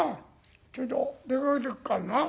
ちょいと出かけてくっからな」。